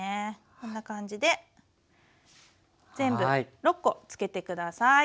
こんな感じで全部６コつけて下さい。